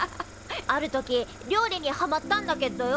ある時料理にハマったんだけっどよ